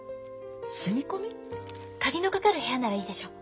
住み込み？鍵の掛かる部屋ならいいでしょ。